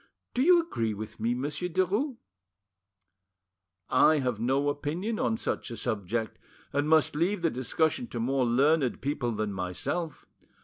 Do you agree with me, Monsieur Derues?" "I have no opinion on such a subject, and must leave the discussion to more learned people than myself.